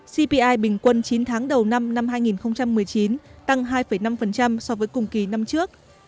cpi bình quân chín tháng đầu năm hai nghìn một mươi chín tăng hai năm so với cùng kỳ năm trước